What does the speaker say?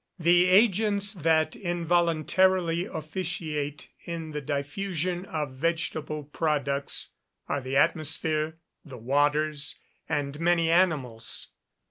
The agents that involuntarily officiate in the diffusion of vegetable products are the atmosphere, the waters, and many animals.